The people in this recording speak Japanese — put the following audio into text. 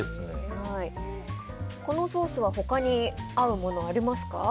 このソースは他に合うものありますか？